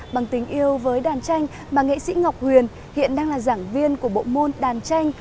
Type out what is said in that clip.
bằng tình yêu với đàn tranh bà nghệ sĩ ngọc huyền hiện đang là giảng viên của bộ môn đàn tranh